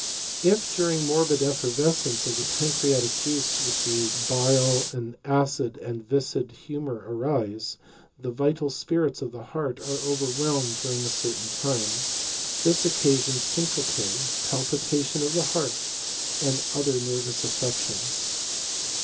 If, during the morbid effervescence of the pancreatic juice with the bile an acid and viscid humour arise, the vital spirits of the heart are overwhelmed during a certain time. This occasions syncope, palpitation of the heart, and other nervous affections.